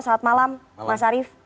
selamat malam mas arief